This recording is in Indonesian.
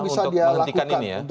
untuk menghentikan ini ya